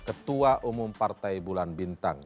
ketua umum partai bulan bintang